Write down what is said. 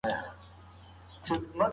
هغه د ایران په زړه کې د خپل واک بیرغ جګ کړ.